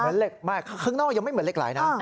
เหล็กมากข้างนอกยังไม่เหมือนเหล็กไหลนะ